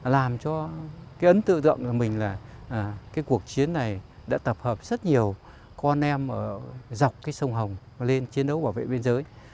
làm cho cái ấn tượng là mình là cái cuộc chiến này đã tập hợp rất nhiều con em ở dọc cái sông hồng và lên chiến đấu bảo vệ biên giới